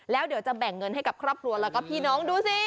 แล้วเดี๋ยวจะแบ่งเงินให้กับครอบครัวแล้วก็พี่น้องดูสิ